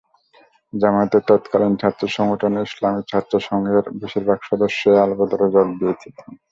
জামায়াতের তৎকালীন ছাত্রসংগঠন ইসলামী ছাত্রসংঘের বেশির ভাগ সদস্যই আলবদরে যোগ দিয়েছিলেন।